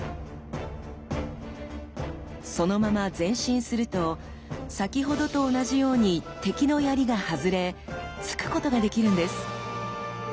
そのまま前進すると先ほどと同じように敵の槍が外れ突くことができるんです。